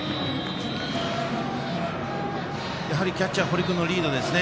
やはりキャッチャー堀君のリードですね。